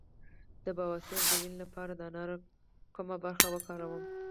د بواسیر د وینې لپاره د انار کومه برخه وکاروم؟